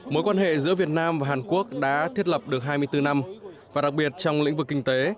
mối quan hệ giữa việt nam và hàn quốc đã thiết lập được hai mươi bốn năm và đặc biệt trong lĩnh vực kinh tế